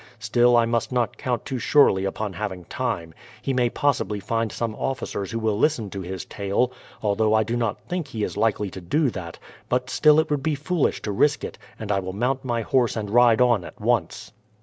Still I must not count too surely upon having time. He may possibly find some officers who will listen to his tale, although I do not think he is likely to do that; but still it would be foolish to risk it, and I will mount my horse and ride on at once."